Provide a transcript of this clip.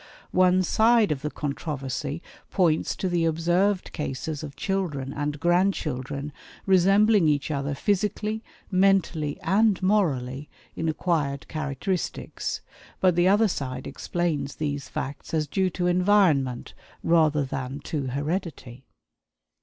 One side of the controversy points to the observed cases of children and grandchildren resembling each other, physically, mentally, and morally, in acquired characteristics; but the other side explains these facts as due to environment rather than to heredity.